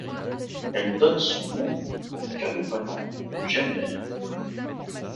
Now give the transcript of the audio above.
Elle donne son nom au Kabupaten de Jember.